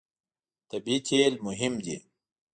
طبیعي تېل مهم دي.